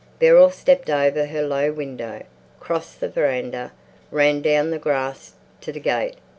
Beryl stepped over her low window, crossed the veranda, ran down the grass to the gate.